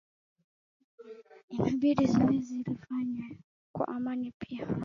inabidi zoezi hilo lifanyike kwa amani pia